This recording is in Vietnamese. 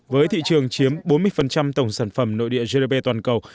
với thị trường chiếm bốn mươi tổng sản phẩm nội địa gdp toàn cầu